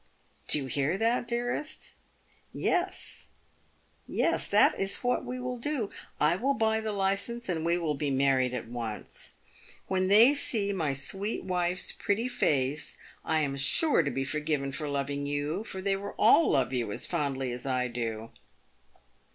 Do you hear that, dearest ? Yes, yes ! that is what we will do. I will buy the license, and we will be married at once. "When they see my sweet wife's pretty face, I am sure to be forgiven for loving you, for they will all love you as fondly as I do."